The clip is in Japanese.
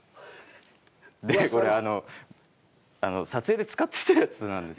是非これあの撮影で使ってたやつなんです。